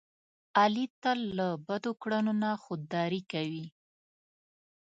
علي تل له بدو کړنو نه خوداري کوي.